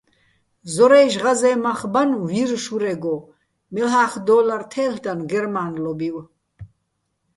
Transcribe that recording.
ზორაჲში̆ ღაზეჼ მახ ბანო̆ ვირ შურეგო, მელ'ახ დო́ლარ თე́ლ'დანო̆ გერმა́ნლობივ.